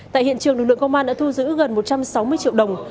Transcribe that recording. tại hiện trường lực lượng công an đã thu giữ gần một trăm sáu mươi triệu đồng